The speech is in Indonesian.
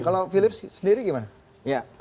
kalau philips sendiri gimana